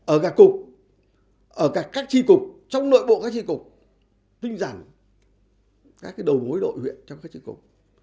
ở các cục ở các chi cục trong nội bộ các chi cục tinh giảm các đầu mối đội huyện trong các chi cục